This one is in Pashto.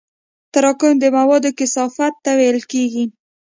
تراکم د موادو کثافت ته ویل کېږي.